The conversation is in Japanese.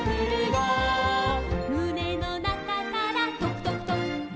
「むねのなかからとくとくとく」